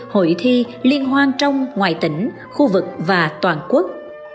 hội thi liên hoan trong ngoài tỉnh khu vực và toàn quốc